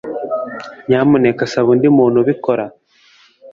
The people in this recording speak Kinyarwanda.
Nyamuneka saba undi muntu ubikora